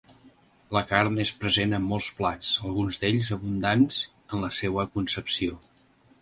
La carn és present en molts plats, alguns d'ells abundants en la seua concepció.